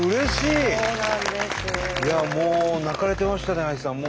いやもう泣かれてましたねＡＩさん